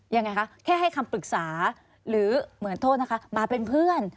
ยังไงคะแค่ให้คำปรึกษาหรือเหมือนโทษนะคะมาเป็นเพื่อน